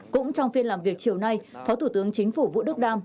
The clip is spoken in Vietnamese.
cũng trong phiên làm việc chiều nay phó thủ tướng chính phủ vũ đức đam